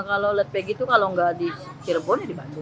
kalau lihat peggy kalau tidak di sini saja di mana saja